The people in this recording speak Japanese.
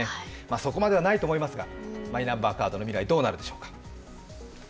そこまではないと思いますが、マイナンバーカードの未来はどうなるでしょうか。